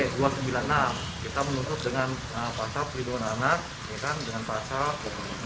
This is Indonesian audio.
kita menuntut dengan pasal perlindungan anak dengan pasal delapan puluh delapan